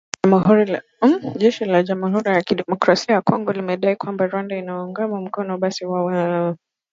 Jeshi la Jamuhuri ya Kidemokrasia ya Kongo limedai kwamba Rwanda inawaunga mkono waasi hao kutekeleza mashambulizi dhidi ya kambi za jeshi mashariki mwa nchi hiyo